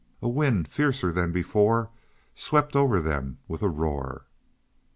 A wind, fiercer than before, swept over them with a roar.